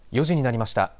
４時になりました。